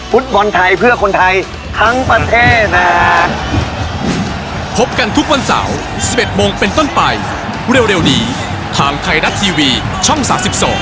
ฟุตบอลไทยเพื่อคนไทยทั้งประเทศนะ